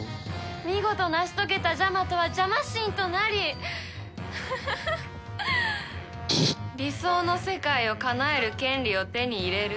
見事成し遂げたジャマトはジャマ神となり理想の世界をかなえる権利を手に入れる。